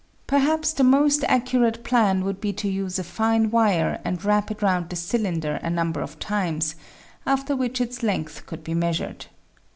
Perhaps the most accurate plan would be to use a fine wire and wrap it round the cylinder a number of times, after which its length could be measured.